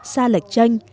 sa lệch chanh